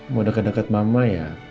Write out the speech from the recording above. mau deket deket mama ya